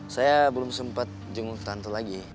saya belum sempet jenguk tante lagi